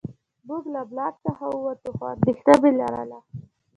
موږ له بلاک څخه ووتو خو اندېښنه مې لرله